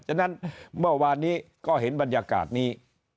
ฉะนั้นเมื่อวานนี้ก็เห็นบรรยากาศนี้